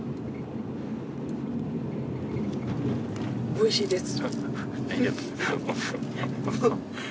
おいしいです。